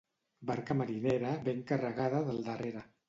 Barca marinera ben carregada del darrere.